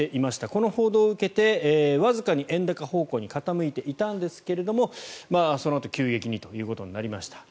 この報道を受けてわずかに円高方向に傾いていたんですがそのあと急激にということになりました。